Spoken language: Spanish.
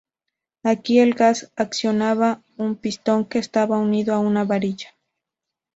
Aquí el gas accionaba un pistón que estaba unido a una varilla.